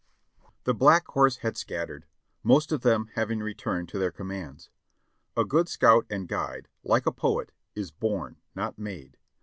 The Black Horse had scattered, most of them having returned to their commands. A good scout and guide, hke a poet, is born, not made.